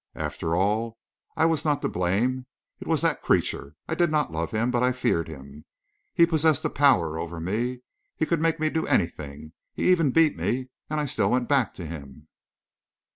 After all, I was not to blame. It was that creature. I did not love him but I feared him. He possessed a power over me. He could make me do anything. He even beat me! And still I went back to him!"